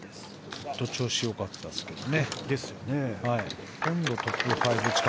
ずっと調子が良かったですけどね。